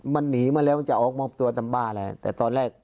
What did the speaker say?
มันหนีมาแล้วมันจะออกมอบตัวตามบ้านแล้วแต่ตอนแรก